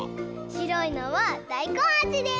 しろいのはだいこんあじです！